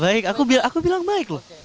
baik aku bilang baik loh